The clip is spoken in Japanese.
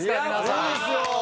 そうですよ。